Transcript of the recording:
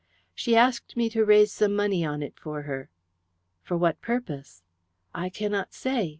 "She asked me to raise some money on it for her." "For what purpose?" "I cannot say.